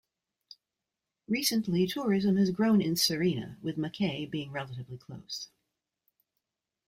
Recently tourism has grown in Sarina with Mackay being relatively close.